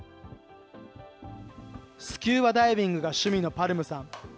スキューバダイビングが趣味のパルムさん。